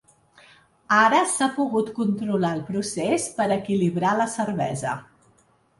Ara s’ha pogut controlar el procés per equilibrar la cervesa.